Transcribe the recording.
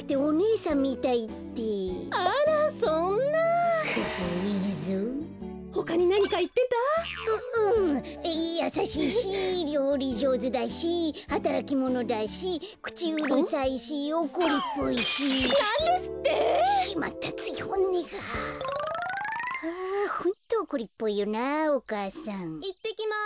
いってきます。